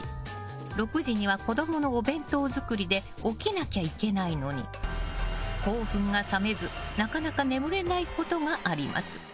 ６時には子供のお弁当作りで起きなきゃいけないのに興奮が冷めずなかなか眠れないことがあります。